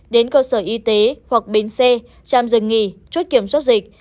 đến cơ sở y tế hoặc bến xe trạm dừng nghỉ chốt kiểm soát dịch